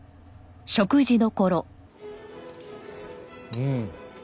うん！